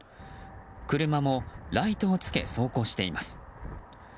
車もライトをつけて走行しています。